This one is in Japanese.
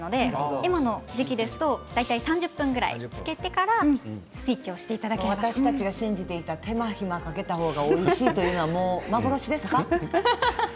今の時期ですとだいたい３０分ぐらいつけてから私たちが信じていた手間暇かけた方がおいしいというのは幻ですか？